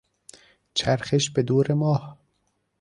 چرخش به دور ماه